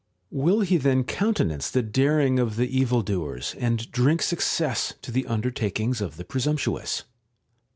Will he then countenance the daring of the evil doers, and drink success to the under takings of the presumptuous